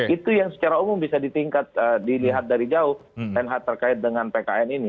itu yang secara umum bisa ditingkat dilihat dari jauh tenhat terkait dengan pkn ini